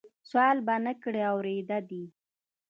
سوال به نه کړې اورېده دي